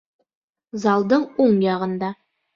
Залдың уң яғында